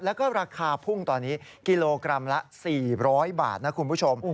แล้วก็ราคาพุ่งตอนนี้กิโลกรัมละ๔๐๐บาทนะคุณผู้ชม